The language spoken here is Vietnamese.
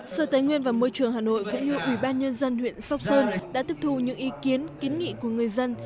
sở tài nguyên và môi trường hà nội của hiệu ủy ban nhân dân huyện sóc sơn đã tiếp thù những ý kiến kiến nghị của người dân